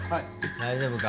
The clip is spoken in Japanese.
大丈夫か？